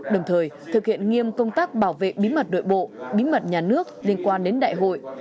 đồng thời thực hiện nghiêm công tác bảo vệ bí mật đội bộ bí mật nhà nước liên quan đến đại hội